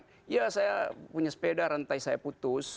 ya saya punya sepeda rantai saya putus